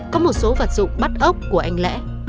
có một số vật dụng bắt ốc của anh lẽ